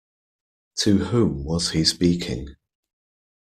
To whom was he speaking?